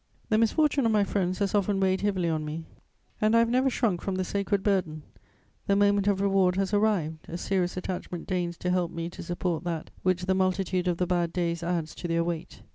The misfortune of my friends has often weighed heavily on me, and I have never shrunk from the sacred burden: the moment of reward has arrived; a serious attachment deigns to help me to support that which the multitude of the bad days adds to their weight.